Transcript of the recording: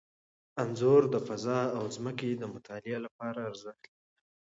انځور د فضا او ځمکې د مطالعې لپاره ارزښت لري.